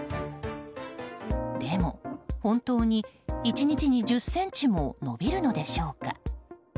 でも、本当に１日に１０ｃｍも伸びるのでしょうか？